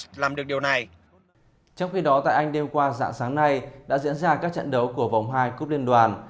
trong khi đó tại anh đêm qua dạng sáng nay đã diễn ra các trận đấu của vòng hai cúp liên đoàn